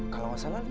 kalau gak salah